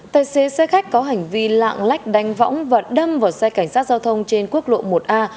tài xế xe khách có hành vi lạng lách đánh võng và đâm vào xe cảnh sát giao thông trên quốc lộ một a